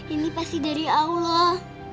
ini pasti dari allah